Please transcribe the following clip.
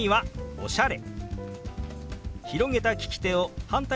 「おしゃれ」。